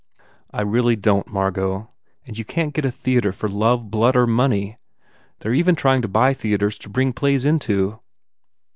"I really don t, Margot. And you can t get a theatre for love, blood or money. They re even trying to buy theatres to bring plays into.